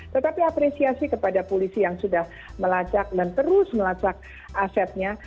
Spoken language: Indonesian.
tetapi apresiasi kepada polisi yang sudah melacak dan terus melacak asetnya